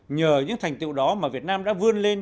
nhờ những thành tiệu đó mà việt nam đã vươn lên